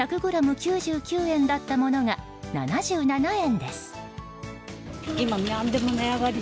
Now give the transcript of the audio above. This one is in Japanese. ９９円だったものが７７円です。